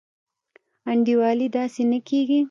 انډيوالي داسي نه کيږي.